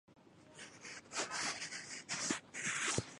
霍雷肖是一个位于美国阿肯色州塞维尔县的城市。